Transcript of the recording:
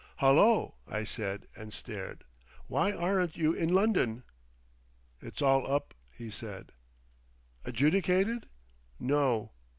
"Hullo!" I said, and stared. "Why aren't you in London?" "It's all up," he said.... "Adjudicated?" "No!"